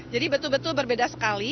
jadi betul betul berbeda sekali